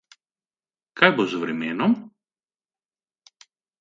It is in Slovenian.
Kaj bo z vremenom?